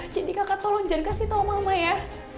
jadi kakak tolong jangan kasih tahu mama ya